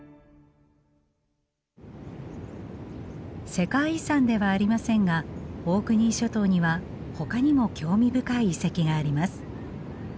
世界遺産ではありませんがオークニー諸島にはほかにも興味深い遺跡があります。